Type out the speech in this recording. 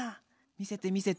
見せて見せて。